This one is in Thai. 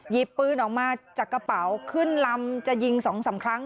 หยิบปืนออกมาจากกระเป๋าขึ้นลำจะยิง๒๓ครั้ง